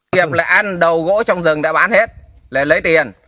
điểm là ăn đầu gỗ trong rừng đã bán hết là lấy tiền